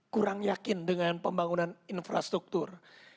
kurang yakin dengan pembangunan infrastruktur